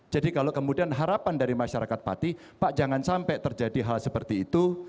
jadi kalau kemudian harapan dari masyarakat pati pak jangan sampai terjadi hal seperti itu